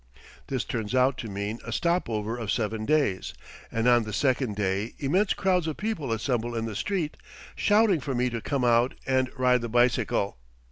This turns out to mean a stop over of seven days, and on the second day immense crowds of people assemble in the street, shouting for me to come out and ride the bicycle.